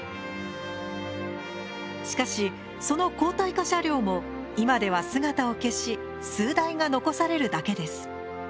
しかしその鋼体化車両も今では姿を消し数台が残されるだけです。